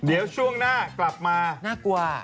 เดี๋ยวช่วงหน้ากลับมาน่ากลัว